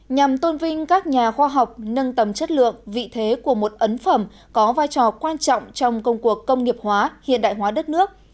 nhằm tôn vinh các nhà khoa học nâng tầm chất lượng vị thế của một ấn phẩm có vai trò quan trọng trong công cuộc công nghiệp hóa hiện đại hóa đất nước